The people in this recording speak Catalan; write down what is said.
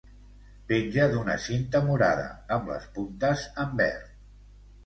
Penja d'una cinta morada, amb les puntes en verd.